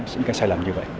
những cái sai lầm như vậy